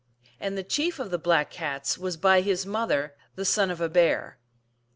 And the chief of the Black Cats was by his mother the son of a bear.